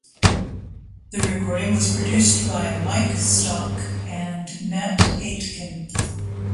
The recording was produced by Mike Stock and Matt Aitken.